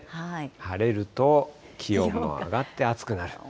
晴れると、気温も上がって暑くなる。